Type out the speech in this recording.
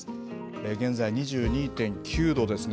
現在２２．９度ですね。